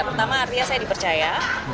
pertama artinya saya dipercaya